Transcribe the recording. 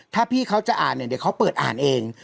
ถ้าพี่เขาจะอ่านเนี่ยเดี๋ยวเขาเปิดอ่านเอง